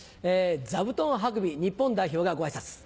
座布団運び日本代表がご挨拶。